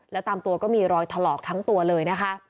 และตามตัวก็มีรอยถลอกทั้งตัวเลยนะคะ